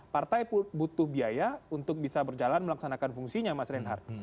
partai butuh biaya untuk bisa berjalan melaksanakan fungsinya mas reinhardt